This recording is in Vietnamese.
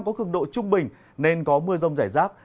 có cường độ trung bình nên có mưa rông rải rác